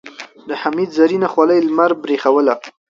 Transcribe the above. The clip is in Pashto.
د حميد زرينه خولۍ لمر برېښوله.